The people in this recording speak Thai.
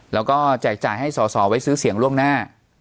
แล้วก็แจกจ่ายให้สอสอไว้ซื้อเสียงล่วงหน้า